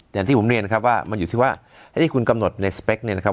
อย่างที่ผมเรียนนะครับว่ามันอยู่ที่ว่าไอ้ที่คุณกำหนดในสเปคเนี่ยนะครับ